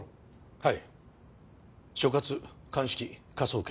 はい。